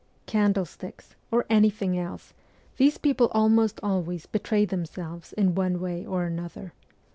Candlesticks, or anything else, these people almost always betray themselves in one way or another.